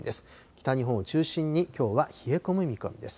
北日本を中心に、きょうは冷え込む見込みです。